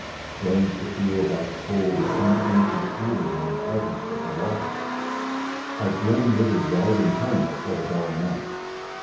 Strange to feel that cold, uneasy feeling in presence of the law! A grim little driving home of what it all meant!